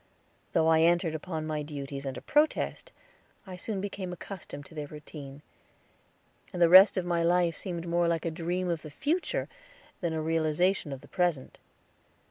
Though I entered upon my duties under protest, I soon became accustomed to their routine, and the rest of my life seemed more like a dream of the future than a realization of the present.